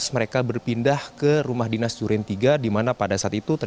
mereka berpindah ke rumah dinas durintiga di mana pada saat itu terjadi penyakit